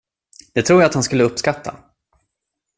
Det tror jag att han skulle uppskatta.